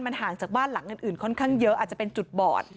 มันห่างจากบ้านหลังอื่นค่อนข้างเยอะอาจจะเป็นจุดบอด